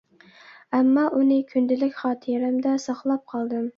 ئەمما ئۇنى كۈندىلىك خاتىرەمدە ساقلاپ قالدىم.